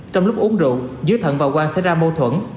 trong lúc uống rượu dưới thận và quang xảy ra mâu thuẫn